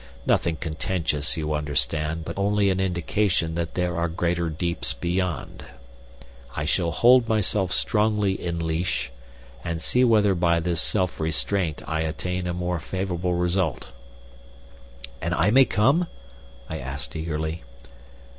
Nothing contentious, you understand, but only an indication that there are greater deeps beyond. I shall hold myself strongly in leash, and see whether by this self restraint I attain a more favorable result." "And I may come?" I asked eagerly.